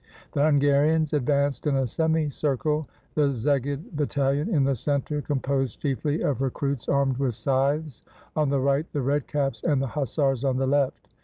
The Hungarians advanced in a semicircle, the Szeged battalion in the center, composed chiefly of recruits armed with scythes, on the right the red caps, and the hussars on the left.